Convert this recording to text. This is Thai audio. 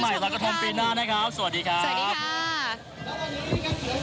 แล้วพบกันใหม่รอยกระทงปีหน้านะครับสวัสดีครับ